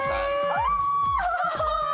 あっ！